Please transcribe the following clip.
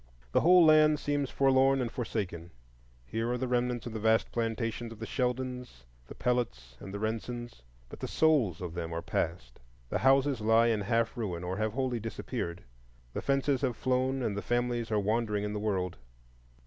The whole land seems forlorn and forsaken. Here are the remnants of the vast plantations of the Sheldons, the Pellots, and the Rensons; but the souls of them are passed. The houses lie in half ruin, or have wholly disappeared; the fences have flown, and the families are wandering in the world.